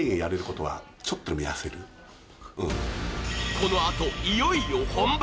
このあと、いよいよ本番。